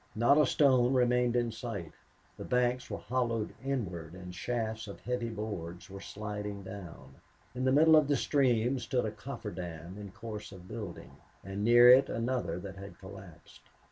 Not a stone remained in sight. The banks were hollowed inward and shafts of heavy boards were sliding down. In the middle of the stream stood a coffer dam in course of building, and near it another that had collapsed.